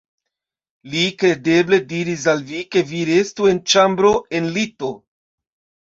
Li kredeble diris al vi, ke vi restu en ĉambro en lito?